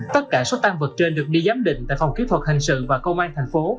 tất cả số tan vật trên được đi giám định tại phòng kỹ thuật hình sự và công an thành phố